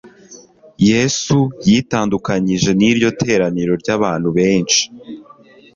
Yesu yitandukanyije n'iryo teraniro ry'abantu benshi